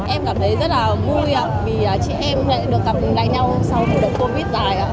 em cảm thấy rất là vui vì chị em lại được gặp lại nhau sau một đợt covid dài